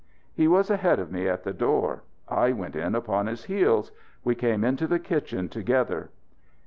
He was ahead of me at the door; I went in upon his heels. We came into the kitchen together.